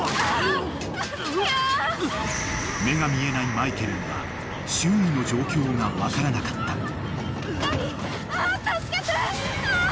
［目が見えないマイケルには周囲の状況が分からなかった］